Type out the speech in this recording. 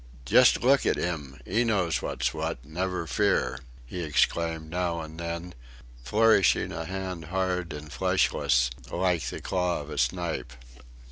"Just look at 'im, 'ee knows what's what never fear!" he exclaimed now and then, flourishing a hand hard and fleshless like the claw of a snipe.